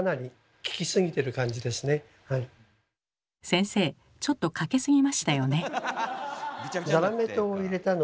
先生ちょっとかけすぎましたよね。